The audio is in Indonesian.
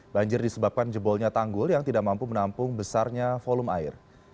banjir disebabkan jebolnya tanggul yang tidak mampu menampung besarnya volume air